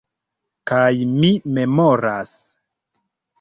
Kaj mi memoras...